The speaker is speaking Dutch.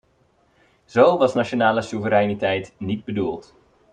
Zo was nationale soevereiniteit niet bedoeld.